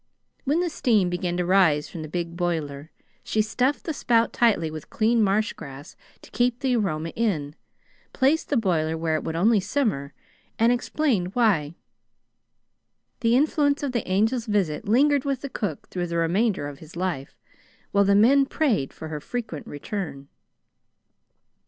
When the steam began to rise from the big boiler, she stuffed the spout tightly with clean marshgrass, to keep the aroma in, placed the boiler where it would only simmer, and explained why. The influence of the Angel's visit lingered with the cook through the remainder of his life, while the men prayed for her frequent return.